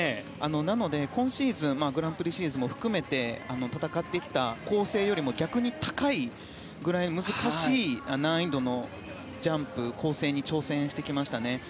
なので今シーズングランプリシーズンも含めて戦ってきた構成よりも逆に難しいくらいの難易度のジャンプ構成に挑戦してきましたね。